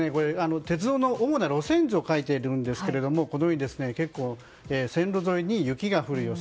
鉄道の主な路線図を書いているんですが結構、線路沿いに雪が降る予想。